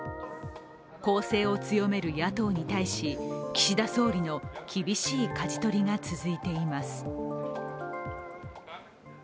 攻勢を強める野党に対し、岸田総理の厳しいかじ取りが続いています。